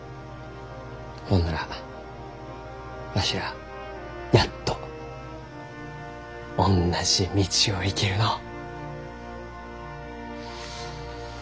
ほんならわしらやっとおんなじ道を行けるのう。